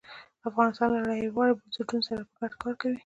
افغانستان له نړیوالو بنسټونو سره په ګډه کار کوي.